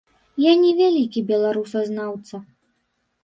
Я не вялікі беларусазнаўца.